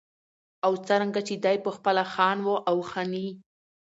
او څرنګه چې دى پخپله خان و او خاني